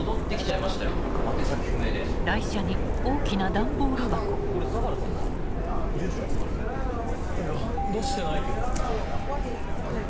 いや出してないけどえっ？